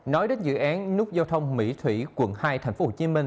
nói đến dự án nút giao thông mỹ thủy quận hai tp hcm